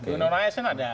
di undang undang asn ada